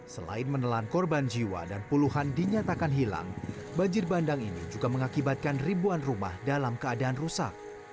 selain menelan korban jiwa dan puluhan dinyatakan hilang banjir bandang ini juga mengakibatkan ribuan rumah dalam keadaan rusak